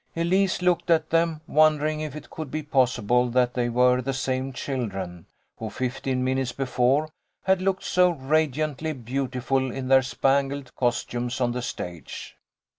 Elise looked at them, wondering if it could be possible that they were the same children, who, fifteen minutes before, had looked so radiantly beautiful in their spangled costumes on the stage.